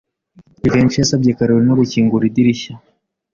Jivency yasabye Kalorina gukingura idirishya.